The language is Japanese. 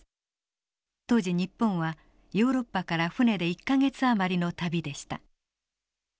当時日本はヨーロッパから船で１か月余りの旅でした。